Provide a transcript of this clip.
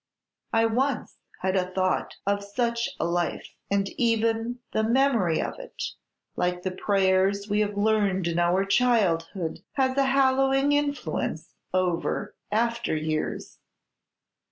"I once had a thought of such a life; and even the memory of it, like the prayers we have learned in our childhood, has a hallowing influence over after years.